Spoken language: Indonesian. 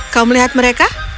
kau melihat mereka